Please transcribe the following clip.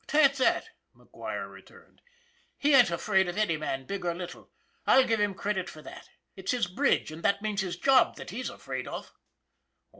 "'Tain't that," McGuire returned. "He ain't afraid of any man, big or little. I'll give him credit for that. It's his bridge, and that means his job, that he's afraid of."